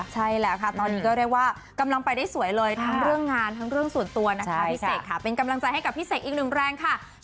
ใช่แล้วค่ะตอนนี้ก็เรียกว่ากำลังไปได้สวยเลยทั้งเรื่องงานทั้งเรื่องส่วนตัวนะคะพี่เสกค่ะเป็นกำลังใจให้กับพี่เสกอีกหนึ่งแรงค่ะ